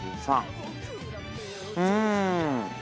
うん。